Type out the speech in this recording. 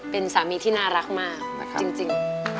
เป็นสามีที่น่ารักมากจริง